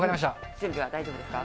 準備は大丈夫ですか？